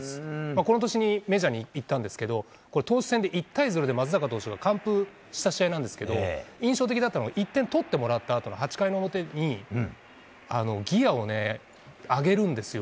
この年メジャーに行ったんですけど投手戦で松坂投手が完封した試合なんですけど印象的だったのが１点を取ってもらったあとの８回の表にギアを上げるんですよ。